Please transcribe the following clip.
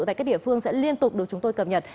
tại các địa phương sẽ liên tục được chúng tôi cập nhật